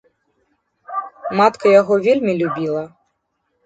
Матка яго вельмі любіла.